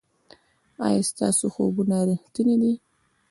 ایا ستاسو خوبونه ریښتیني دي؟